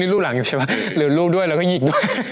นี่รูปหลังอยู่ใช่ปะลืมรูปด้วยแล้วก็หยิงด้วย